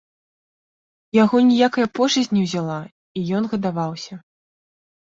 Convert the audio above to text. Яго ніякая пошасць не ўзяла, і ён гадаваўся.